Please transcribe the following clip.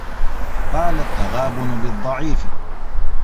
قَالَ التَّغَابُنُ لِلضَّعِيفِ